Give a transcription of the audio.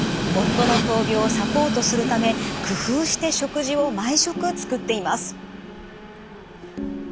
夫の闘病をサポートするため工夫して食事を毎食作っています。